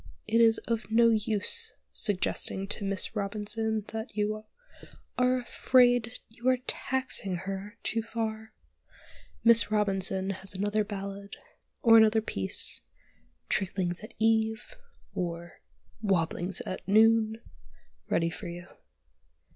It is of no use suggesting to Miss Robinson that you "are afraid you are taxing her too far." Miss Robinson has another ballad, or another "piece" "Tricklings at Eve," or "Wobblings at Noon," ready for you.